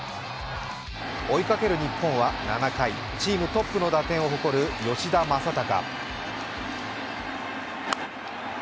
追いかける日本は７回、チームトップの打点を誇る吉田正尚。